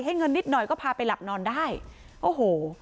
เงินนิดหน่อยก็พาไปหลับนอนได้โอ้โห